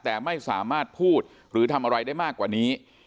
แต่ไม่สามารถพูดหรือทำอะไรได้มากกว่านี้